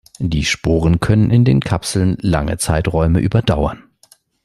Die Sporen können in den Kapseln lange Zeiträume überdauern.